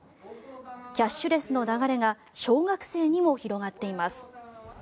キャッシュレスの流れが小学生にも広がっています。